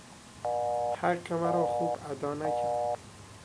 حق مرا خوب ادا نکرد.